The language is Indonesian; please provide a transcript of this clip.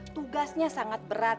tugasnya sangat berat